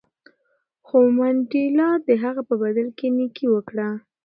خو منډېلا د هغه په بدل کې نېکي وکړه.